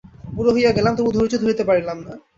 বুড়া হইয়া গেলাম, তবু ধৈর্য ধরিতে পারিলাম না।